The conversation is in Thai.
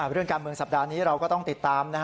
เรื่องการเมืองสัปดาห์นี้เราก็ต้องติดตาม